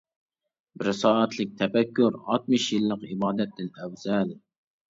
بىر سائەتلىك تەپەككۇر ئاتمىش يىللىق ئىبادەتتىن ئەۋزەل.